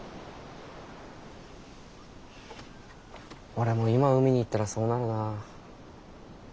俺も今海に行ったらそうなるな。